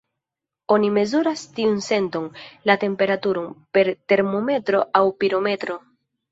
Oni mezuras tiun senton, la temperaturon, per termometro aŭ pirometro.